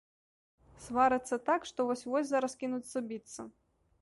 Сварацца так, што вось-вось зараз кінуцца біцца.